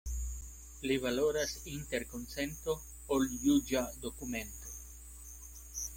Pli valoras interkonsento, ol juĝa dokumento.